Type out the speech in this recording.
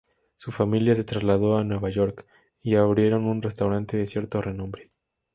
Su familia se trasladó a Nueva York y abrieron un restaurante de cierto renombre.